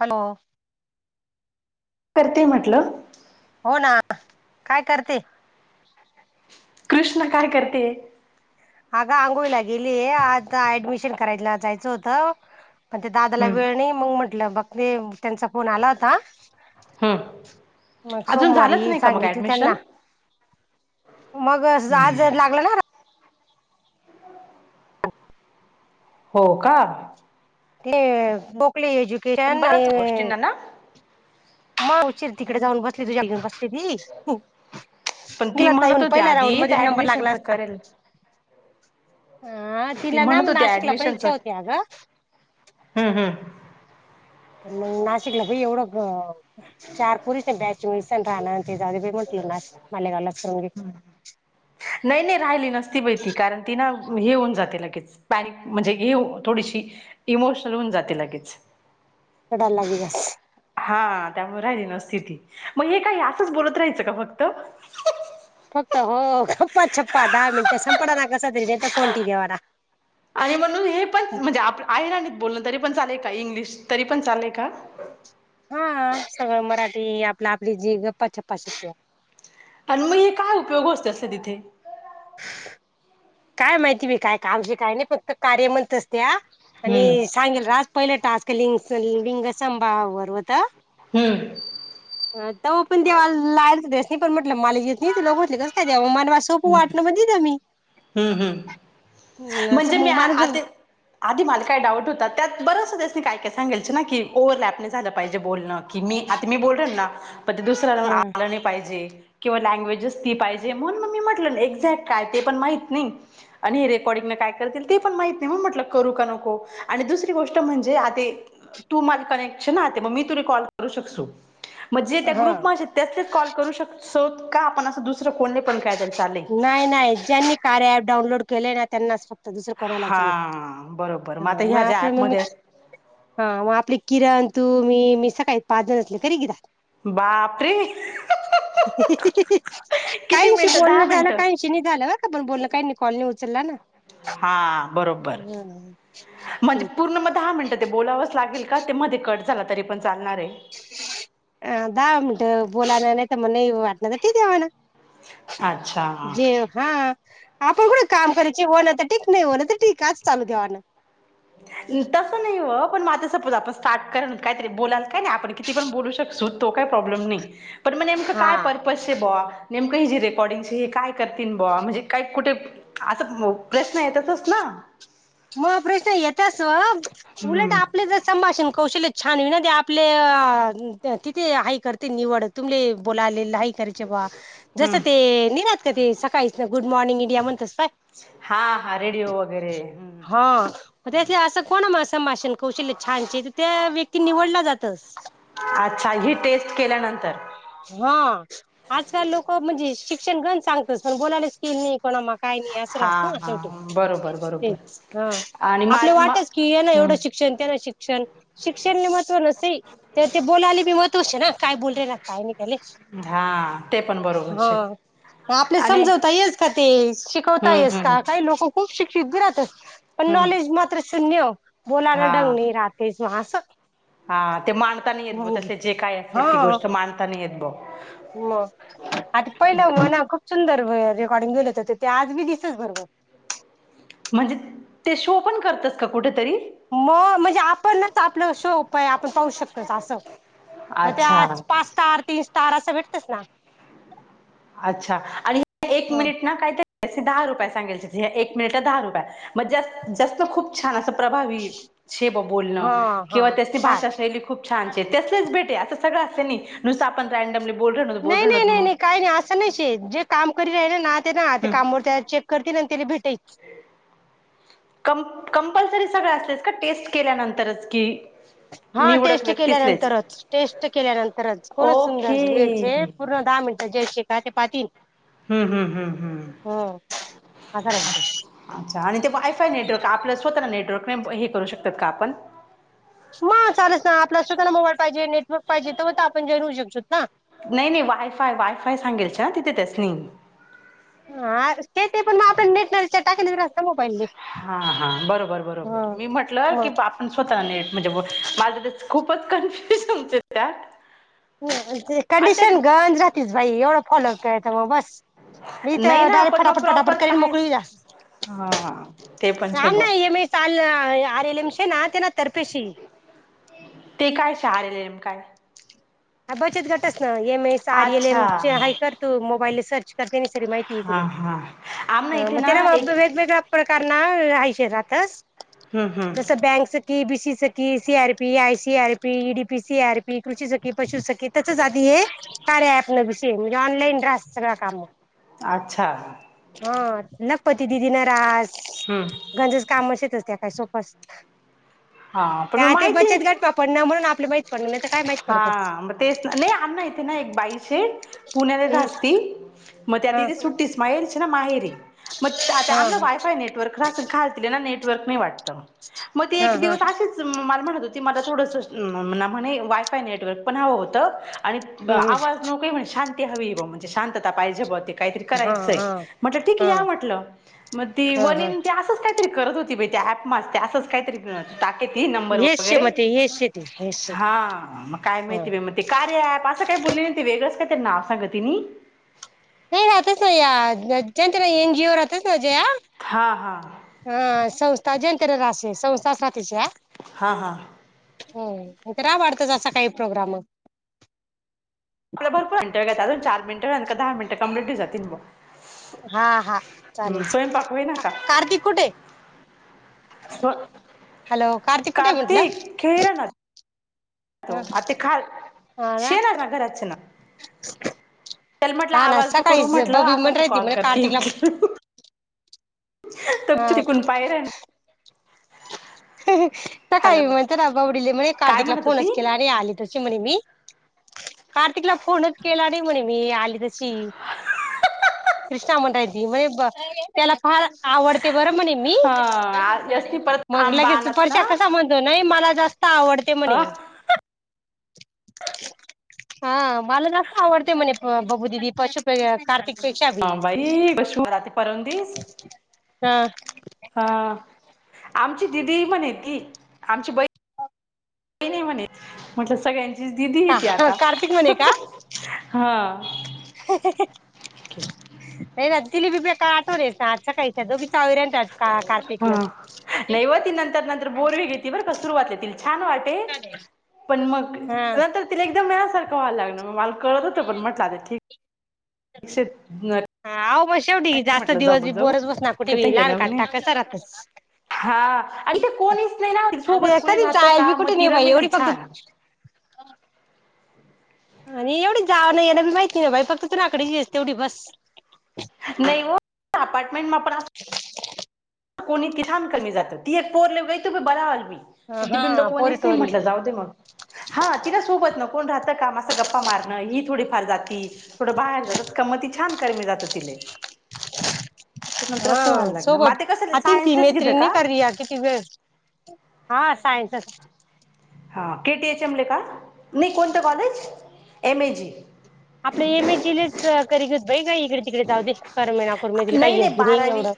Hello करतेय म्हटलं हो ना, काय करते? कृष्ण काय करते? अ आंघोळीला गेली आता ऍडमिशन कराय जायचं होत पण ते दादाला हम्म वेळ नाही मग म्हंटलं बघ ते त्यांचा फोन आला होता. हम्म मग अजून झालंच सोमवारी नाही का मग सांगितले ऍडमिशन त्यांना मग आज लागला ना, हो का? ते बोकली पण एज्युकेशन आणि बऱ्याच गोष्टींना ना [unintelligible] मगउशीर तिकडे जाऊन बसली तुझ्या पण [unintelligible] [unintelligible] ती लाता म्हणत येऊन होती पहिला राऊंड आधी मध्ये त्या नंबर लागला ऍडमिशनच असता करेल [inaudible] हा ती तिला ना म्हणत होती नाशिकला पण ऍडमिशनच इ्छा होती आग हम्म हम्म पण नाशिकला भाई एवढं चार पोरीस नाही बॅच नुसार राहणार ते जाऊदे बाई! नाशिक [inaudible] मालेगाव नाही नाही राहिली नसती बाई ती कारण ती ना, हे होऊन जाते लगेच पेनिक म्हणजे हे थोडीशी इमोशनल होऊन जाते लगेच [inaudible] कडा लागलीयस [inaudible] हा त्यामुळे राहिली ना ती मग हे काय असंच बोलत राहायचं का फक्त फक्त हो गप्पाछप्पा दहा मिनटं संप ना कस तरी तर फोन [unintelligible] वाना आणि म्हणून हे पण म्हणजे आप आई ना आणि बोलण तरी पण चालेलय का इंग्लिश तरी पण चालेलय का? हा [inaudible] सगळं मराठी आपला आपली जी गप्पा छप्पा शिक आणि मग हे काय? उपयोग असत अस तिथे काय माहिती मी काय कामज काय नाही फक्त कार्य म्हणंतच त्या हम्म आणि सांगेल राज पहिलं टास्क [unintelligible] होत हम्म त पण देवा लायन डेसी नाही पण, मला येत नाही तुला बोले कस काय मला सोपं हम्म वाटणं दील मी हम्म असं हमंम्हणजे मी मग आ माणूस आधी आधी मला काय डाऊट होत त्यात बरच सगळयासनी काय काय सांगायचं ना की ओव्हरलॅप नाही झालं पाहिजे बोलणं की मी आता मी बोललन ना पण ते दुसऱ्या ला आलं नाही पाहिजे किंवा लँग्वेजस ती पाहिजे म्हणून मग मी म्हटलं एक्झॅक्ट काय ते पण माहीत नाही आणि रेकॉर्डिंग काय कर ते पण माहित नाही म्हणून म्हटलं करू का नको आणि दुसरी गोष्ट म्हणजे आ तू माझी कनेक्शन ते मग मी ते रेकॉर्ड करू शकसो म्हणजे त्या हा ग्रुप [unintelligible] करू शकतो का आपण अस दुस नाही नाही ज्यांनी कार्या ऍप डाउनलोड केले ना त्यांना फक्त आ दुसरं कोणलाच नाही? हा बरोबर आता हा मग ह्या आप ज्या मग मी ऍपमध्ये आहेत हा मग आपले किरण तू मी मी सकाळी पाच जण असले तरी केला. बापरे! ! [unintelligible] [inaudible] काहीशी बोलणं झालं काहीशी नाही झालं बा का पण बोलणं काही नाही कॉलनी उचलला ना. हा बरोबर म्हणजे पूर्ण मग दहा मिनटं ते बोलावंच लागेल का ते मध्ये कट झालं तरी पण चालणार आहे [inaudible] अ दहा मिनट बोलायला नाही तर म्हण वाटणार तर तेन देवाना अच्छा जेव हा आपण कुठं काम करायची होण तर ठीक नाही होण तर ठीक आच चालू ठेवा ना तसं नाही हो पण माझ सपोज आपण स्टार्ट करा काहीतरी बोलायला काय नाही आपण किती पण बोलू शकतो. तो काही प्रॉब्लेम नाही. पण मग नेमकं हा काय पर्पस बोवा नेमकं हि जे रेकॉर्डिंगचे हे काय करतील ब म्हणजे काय कुठे. असं प्रश्न येतातच ना. ते असं उलट हम्म आपले जर संभाषण कौशल्य. छान वि ना ते आपले तिथे हाई करते निवड तुमले बोलाले ह. जस हम्म ते नि का ते सकाळी गुड मॉर्निंग इंडिया म्हण हा हा रेडिओ वगैरे. ते असं कोण असंभषण. कौशल्य छानचे तर त्या व्यक्ती निवडला जातस. अच्छा ही टेस्ट केल्यानंतर हा आजकाल लोक म्हणजे शिक्षण घण सांगत पण बोलायलाच स्किल नाही. णा काही नाही अस हा हा शेवटी बरोबर ते बरोबर आणि मा आपले मा वाटच की ना ं हम्म शिक्षण त्या ना शिकषण. शिक्षने महत्व नसते तर ते बोलायला मी महत्व आहे ना काय बोल रला काही नाही. त्याले हा ते पण बरोबरच शे. हा आपले आणि समजवता येस का ते शिकवता हम्म येस हम्म का काही लोक खूप शिक्षित घरहातच पण. हम्म नॉलेज मात्र शून्य बोलाण हा डंग नाही राहतेच मा असं. हा ते मडताना येत ब तसे जे काय असे ती गोष्ट मांडता नाही येत ब. म आता पहिलं म्हणा खूप. सुंदर रेकॉर्डिंग बेलेत होते ते आज मी दिसच बरोबर. म्हणजे ते शो पण करतस का कुठेतरी. मग म्हणजे आपणच आपलं शो उपाय आपण पाहू शकतो असं. मग ते अच्छा आज पाच स्टार तीन स्टार असं भेटतस ना. अच्छा आणि एक ह मिनिट ना कायत दहा रुपये सांगायचे एक मिनिट दहा रुपय मग जास्त खूप छान अस. प्रभावी शे बोलण हा हा किंवा त्याची छान भाषा शैली खूप छान त्यासलेच भेटे अस. सगळंं नुसतं आपण रँडमली बोलत नाही नाही बोलत नाही मग. नाही काही नाही नाही जे काम कर राहिले ना ते ना ते हम्म काम चेक करतील आणि त्या भेट. ते. कंपल्सरी सगळं असलेच का टेस्ट केल्यानंतरच की. हा निवडक टेस्ट व्यक्तीसलेच केल्यानंतरच टेस्ट केल्यानंतरच कोण ओके सुंदर वेळचे पूर्ण. दहा मिनटं जे पाटील. हम्म हम्म हम्म हम्म. असं राहतं अच्छा आणि ते वायफाय नेटवर्क आपल्या स्वतः नेट. क हे करू शकतात का आपण. म चालस ना आपला स्वतःला मोबाईल पाहिजे नेटवर्क पाहिजे तेव्हा तर आपण जे होऊ शकतोत ना. नाही नाही वायफाय वायफाय सांगेलच ना तिथे त्यासी. हा ते ते पण मग आपण नेटच रिचार्ज टाकत मोबाईल. हा हा बरोबर बरोबर ह मी म्हटलं की मग आपण स्वतः नेट म्हणजे माझं ते. खूपच कन्फ्युज समचे त्यात. ते आणि कंडिशन त्यात राहतीस भाई एवढं फॉलो कर त मग बस मी तर नाही ना डारेक्ट आपण मग फटाफट प्रॉपर फटाफट करून काय मोकली जा्या हा ते पण छे ब राम नाम तर्फेशी ते काय सहा रेलेम काय. हा बचत गटच ना एम एस आर एल अच्छा एम हय करतो मोबाईलले सर्च करते माहिती आहे हा हा आमना ना इथे ना मग एक वेगवेगळा हम्म जस हम्म बँक. की C R P I CR P D P CR P कृषी. पशुसकी तसच आधी हे कार्या ऍप न म्हणजे ऑनलाईन राहत सगळं काम. अच्छा. हा [unintelligible] हम्म हा पण मग आता ते माहिती बचत गट पडना म्हणून आपले माहित पडले नाही तर काय माहित हा पडतं. मग तेच नाही आमना यथे ना एक बाईशे पुण्याला हम्म असती मग ते आता हा त इथे सुट्टीस माहेरीच ना माहेरी मग आता हा आमला वायफाय नेटवर्क राह घालतील ना नेटवर्क नाही वाटत मग ते हा एक हा दिवस असेच मला म्हणत होती मला थोडास वायफाय नेटवर् पण हवं होत आणि हम्म आवाज नकोय हवी म्हणजे शांतता पाहिजे काही तरी हा करायच हा म्हटलं ठीक हा आहे म्हटलं मग ती हा हा काय तरी करत होती बाई त्या ऍप असंच काहीतरी टाकीती हेच शे वगैरे मग ते हेच शे ते हेच शे हा मग काय हा माहिती मग ते कार्या अँप असं काही तरी बोलले नाही वेगळंच काही ते नाव संगतीनी नाही राहतच ना या जच्या एन जी ओ राहतच ना हा हा [unintelligible] हा हा हो तर आवडत जसा काही प्रोग्राम आपला भरपूर मिनटं चार मिनटं दहा मिनट कंप्लीट होऊन जात मग हा हा चालेल स्वयंपाक होई ना का कार्तिक कुठे? स्व हॅलो कार्तिक कुठे आहे? म्हंटलं हॅलो आता हा ना [inaudible] चल म्हटलं हा ना वर्क करू सकाळीच म्हटलं बबी असं म्हण असं राहती कॉल म्हणे करते कार्तिकला तो हा चिकून पाही राहिला स काय म्हणत ना बावडले म्हणे काय कार्तिकला म्हणत होती फोनच केला आणि आले तशी म्हणे मी कार्तिकला फोनच केला नाही म्हणे मी आली तशी कृष्णा म्हणताय त म्हणजे त्याला फार आवडते पर म्हणे मी हा यशनी परत मग आंबा लगेच आणत परशा ना कसा म्हणतो ना. नाही मला जास्त आवडते म्हने. हा हा मला जास्त आवडते म्हणे बबू दिदी पशप हा बाई क शु रात्री परवून दिस. ह हा आमची दिदी म्हणे ती आमची बहीण नाही म्हणे म्हटलं सगळ्यांचीच दिदी ती आता. कार्तिक म्हणे का हा. [unintelligible] कार्तिक न [inaudible] हा नाही व ती नंतर नंतर बोरवे घेती बरं का सुरुवातला तिला छान वाटे पण मग हा नंतर तिला एकदम मिळ्या सारखं व्हायला लागल मग मला करळत होतं म्हटलं आता ठीक [unintelligible] हा आहो म शेवटी जास्त म्हटलं दिवस जाऊ बी जाऊ बोरच बस ना कुठे बी कथ घेणार लहान म्हणे काढता कसं राहतच. हा आणि ते कोणीच नाही ना ते सोबत कोणी कधी राहतं जायला बी का कुठे मग नाही तिर बाई मी एवढी फक्त छान [inaudible] आणि एवढी जाव नाही या ना बी माहिती ना बाई फक्त तु ना आकडेस तेवढी बस. नाही व अपार्टमेंट म पण अस कोणी किसान कमी जातं ती एक पोरलेव ग तुमी [inaudible] ह पण ती हा बिंडोकं पोरी वणीच हे टोरी म्हटलं जाऊ दे मग. हा तिला सोबत नक कोण राहत का म गप्पा मारण ही थोडी फार जाती थोडं बाहेर जातात क छान करमिजात तिले. नंतर नंतर अस व्हालागल. ह ति ती मैत्रींनी कर आहे किती वेळ हा सायन्सच. ह के टी एच एमले का नाही कोणतं कॉलेज एम ए जी. आपल एम ए जि लेट कर घ बई काही इकडे तिकडे जाऊ दे करमेना करमे दि काही अज नाही एवढं.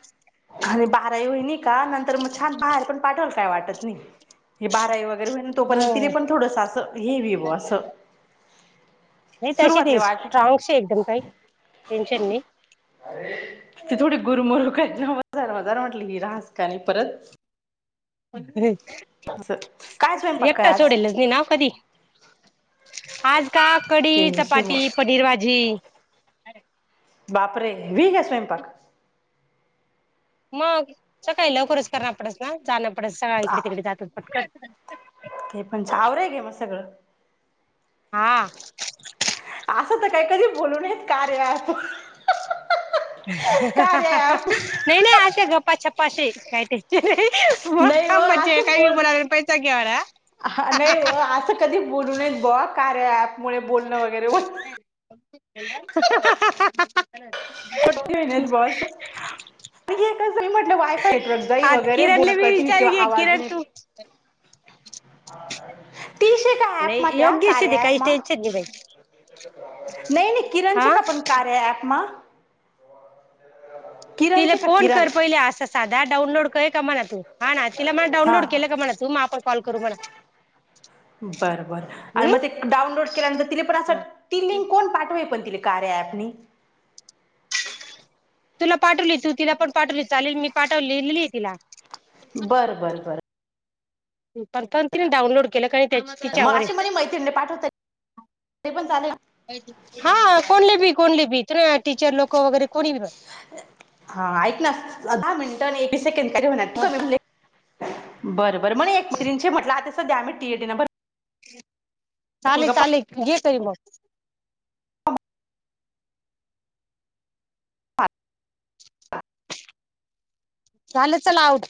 आणि बाराई होईन का नंतर मग छान बाहेर पण पाठवल काय वाटत हे बाराई वगैरे हो तोपर्यंत ति पण थोडस असं ए व आस. नाही तशी ती स्ट्रांगश एकदम ताई. [inaudible] ते थोडी गुरमरुख [inaudible] क मजार -मजार म्हटली हि रास का आणि परत [inaudible] असं काय स्वयंपाक काय एकटा आज सोडेलच नाव कधी. आज का कढी, ते विषय ब चपाती, पनीर भाजी, बापरे व्ही ग्या स्वयंपाक? मग सकाळी लवकरच करणार पडस ना जाण पड सकाळ आ, इकडे तिकडे जातात पट पट. ते पण आवराय घे म सगळं. हा असं तर काय कधी बोलूनेत कार्या ॲप [inaudible] [inaudible] कार्या ॲप नाही -नाही अस्या गप्पा छप्पाशीे काय ते मग नाही व खांबाचे असं काही बोल बोला पैसा घेवा हा नाही असं कधी बोलू नयेत बुवा कार्या ॲप [inaudible] परठे होण्या बस म्हटलं वायफाय नेटवर्क जाई आ वगैरे बोन किरणला मी कटणी विचार किंवा घे आवाज किरण नाही [inaudible] तू तीशे काय ॲप नाही म्हात्या योग्य शध कार्या काही मा? टेन्शन नाही बाई नाही नाही किरणचे हा का पण कार्या ॲप मा? [inaudible] किरण तिला चे का फोन किरण कर पहिले असं साधा डाऊनलोड कर का म्हणा तू हा ना तिला म्हणा हा डाउनलोड केलं का मणा तू मग आपण कॉल करू म्हणा. बर बर आणि मग ते डाउनलोड केल्यानंतर तिने पण अस ती लिंक कोण पाठवे पण तिले कार्या ॲप नी? तुला पाठवली तू तिला पण पाठवली चालेल मी पाठवलेली आहे तिला बरं बर बरं पण पण तिने डाउनलोड केलं काण त्या मग तिच्यावर अशी आहे म्हणे मैत्रिणीने पाठवता ते पण चालेल हा कोण लपी कोण लिपी तु टीचर लोक वगैरे कोणी हा ऐक ना दहा मिनिटं बरं बरं [inaudible] म्हटलं सध्या आम्ही टीएट ना भरपूर चालेल गप्पा चालेल येतरी मग चाले चला आव